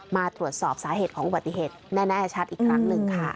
มาตรวจสอบสาเหตุของอุบัติเหตุแน่ชัดอีกครั้งหนึ่งค่ะ